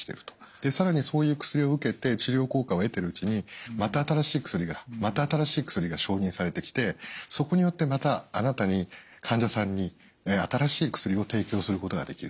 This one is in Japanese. で更にそういう薬を受けて治療効果を得てるうちにまた新しい薬がまた新しい薬が承認されてきてそこによってまたあなたに患者さんに新しい薬を提供することができる。